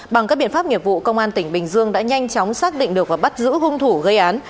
bằng các biện pháp nghiệp vụ công an tỉnh bình dương đã nhanh chóng xác định được và bắt giữ hung thủ gây án